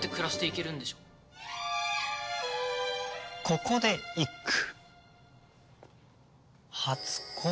ここで一句。